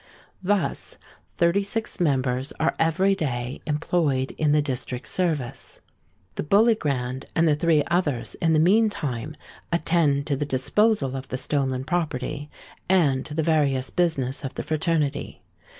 Thus thirty six members are every day employed in the district service. The Bully Grand and the three others in the meantime attend to the disposal of the stolen property, and to the various business of the fraternity.